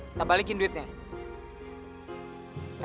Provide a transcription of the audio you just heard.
kita balikin duitnya